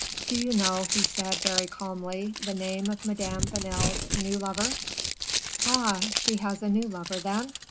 "Do you know," he said, very calmly, "the name of Madame Vanel's new lover?" "Ah! she has a new lover, then?